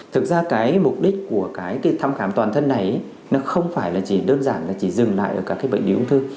thực ra mục đích của thăm khám toàn thân này không phải đơn giản là chỉ dừng lại các bệnh lý ung thư